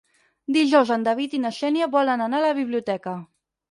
Dijous en David i na Xènia volen anar a la biblioteca.